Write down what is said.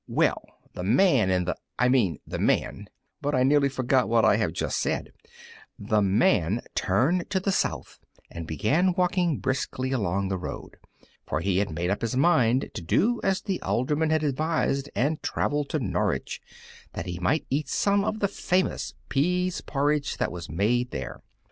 Well, the Man in the I mean the Man (but I nearly forgot what I have just said) the Man turned to the south and began walking briskly along the road, for he had made up his mind to do as the alderman had advised and travel to Norwich, that he might eat some of the famous pease porridge that was made there.